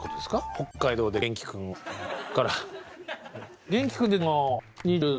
北海道で元気くんを。